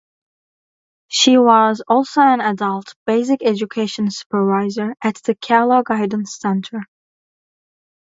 She was also an adult basic education supervisor at the Cala Guidance Centre.